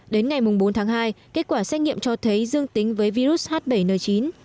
đến ngày bốn tháng hai kết quả xét nghiệm cho thấy dương tính với virus h bảy n chín